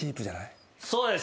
そうです